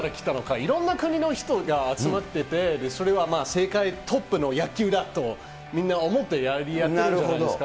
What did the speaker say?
いろんな国の人が集まってて、それは世界トップの野球だと、みんな思ってやってるじゃないですか。